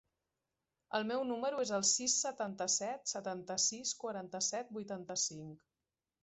El meu número es el sis, setanta-set, setanta-sis, quaranta-set, vuitanta-cinc.